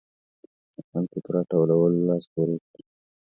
د خلکو په راټولولو لاس پورې کړي.